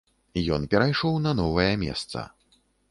Ён перайшоў на новае месца.